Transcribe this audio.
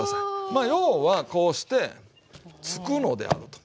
まあ要はこうしてつくのであると。